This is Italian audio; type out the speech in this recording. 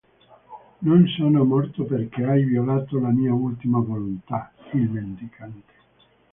Non sono morto perché hai violato la mia ultima volontà.Il mendicante.